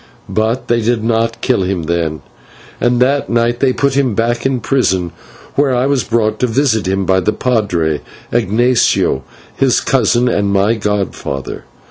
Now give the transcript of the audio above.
But they did not kill him then, and that night they put him back in a prison, where I was brought to visit him by the /padre/, Ignatio, his cousin and my godfather.